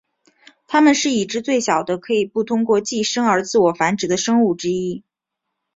它们是已知最小的可以不通过寄生而自我繁殖的生物之一。